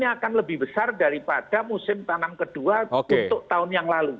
ini akan lebih besar daripada musim tanam kedua untuk tahun yang lalu